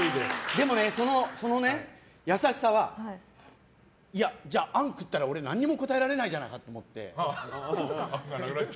でも、その優しさはあん食ったら俺、何も答えられないじゃないかと思って。